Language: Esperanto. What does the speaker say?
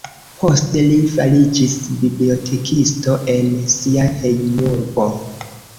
Poste li fariĝis bibliotekisto en sia hejmurbo.